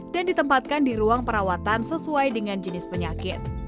dan ditempatkan di ruang perawatan sesuai dengan jenis penyakit